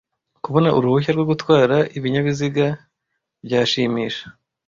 Kubona uruhushya rwo gutwara ibinyabiziga byanshimisha.